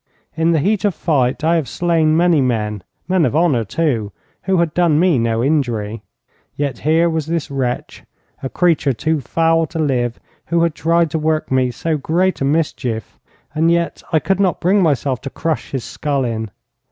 In the heat of fight I have slain many men men of honour, too, who had done me no injury. Yet here was this wretch, a creature too foul to live, who had tried to work me so great a mischief, and yet I could not bring myself to crush his skull in.